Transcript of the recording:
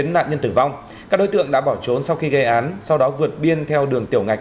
chín nạn nhân tử vong các đối tượng đã bỏ trốn sau khi gây án sau đó vượt biên theo đường tiểu ngạch